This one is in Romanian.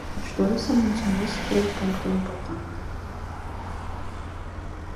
Aș dori să menționez trei puncte importante.